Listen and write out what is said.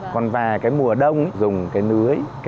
còn và cái mùa đông dùng cái lưới